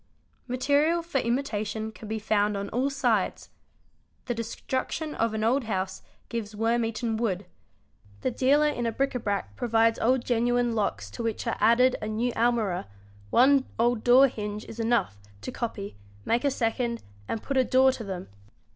Material for imitation can be found on all sides; the destruction of an old house gives worm eaten wood ; the dealer in bric a brac provides old genuine locks to which are added a new almirah; one old door hinge is enough, to copy, make a second, and put a door to them.